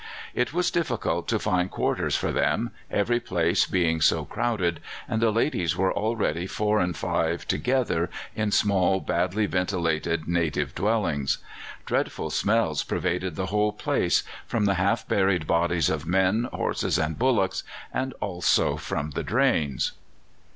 It was difficult to find quarters for them, every place being so crowded, and the ladies were already four and five together in small, badly ventilated native dwellings. Dreadful smells pervaded the whole place, from the half buried bodies of men, horses, and bullocks, and also from the drains.